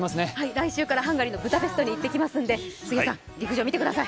来週からハンガリーのブダペストに行きますので杉谷さん、陸上見てください。